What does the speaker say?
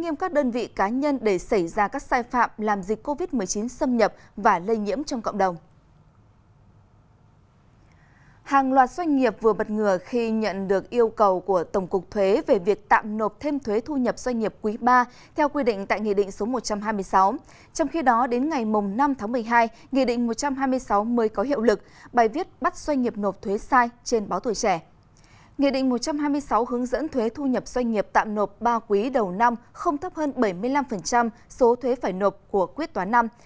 nghị định một trăm hai mươi sáu hướng dẫn thuế thu nhập doanh nghiệp tạm nộp ba quý đầu năm không thấp hơn bảy mươi năm số thuế phải nộp của quyết toán năm